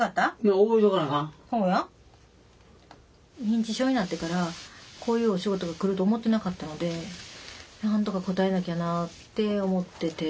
認知症になってからこういうお仕事がくると思ってなかったのでなんとか応えなきゃなって思ってて。